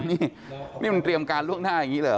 นี่นี่มันเตรียมการล่วงหน้าอย่างนี้เหรอ